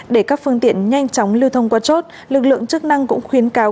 để các phương tiện nhanh chóng lưu thông qua chốt lực lượng chức năng cũng khuyến cáo